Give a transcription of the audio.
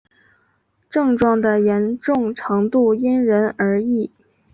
症状的严重程度因人而异。